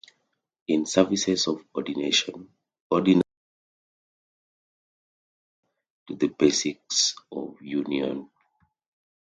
In services of ordination, ordinands promise to adhere to the Basis of Union.